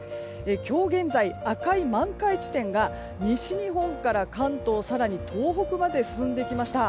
今日現在、赤い満開地点が西日本から関東更に東北まで進んできました。